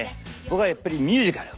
僕はやっぱりミュージカル。